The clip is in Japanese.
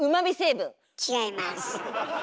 違います。